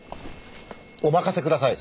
お任せください。